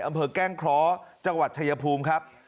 แกล้งเคราะห์จังหวัดชายภูมิครับ